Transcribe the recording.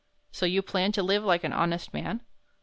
"So you plan to live like an honest man?"